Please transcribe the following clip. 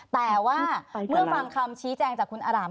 แต่ว่าเมื่อฟังคำชี้แจงจากคุณอาราม